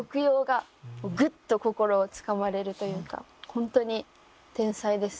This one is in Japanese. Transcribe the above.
ホントに天才です。